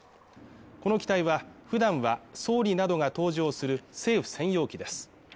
この機体は普段は総理などが搭乗する政府専用機です